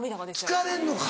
疲れんのか。